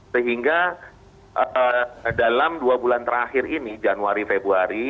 sehingga dalam dua bulan terakhir ini januari februari